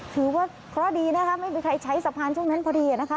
ถือว่าเคราะห์ดีนะคะไม่มีใครใช้สะพานช่วงนั้นพอดีนะคะ